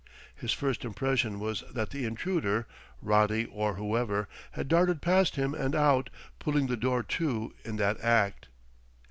His first impression was that the intruder Roddy or whoever had darted past him and out, pulling the door to in that act.